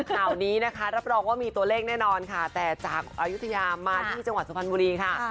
ข่าวนี้นะคะรับรองว่ามีตัวเลขแน่นอนค่ะแต่จากอายุทยามาที่จังหวัดสุพรรณบุรีค่ะ